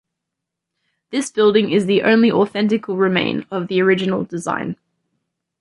This building is the only authentical remain of the original design.